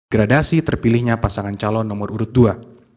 gradasi terpilihnya pasangan calon nomor urut dua